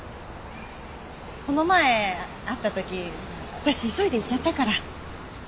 この前会った時私急いで行っちゃったから。